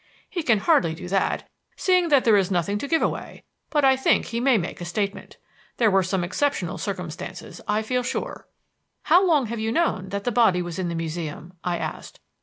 "He can hardly do that, seeing that there is nothing to give away. But I think he may make a statement. There were some exceptional circumstances, I feel sure." "How long have you known that the body was in the Museum?" I asked.